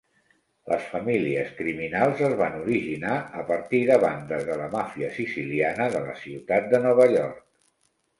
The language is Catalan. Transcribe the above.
Les famílies criminals es van originar a partir de bandes de la màfia siciliana de la ciutat de Nova York.